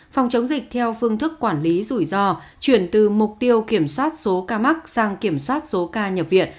phòng chống dịch theo phương thức quản lý rủi ro chuyển từ mục tiêu kiểm soát số ca mắc sang kiểm soát số ca nhập viện